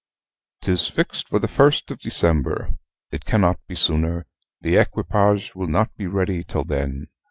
"'Tis fixed for the first of December: it cannot be sooner. The equipage will not be ready till then.